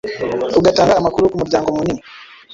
ugatanga amakuru kumuryango munini,